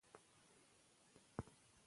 هر وخت چې باور وساتل شي، اړیکې به ماتې نه شي.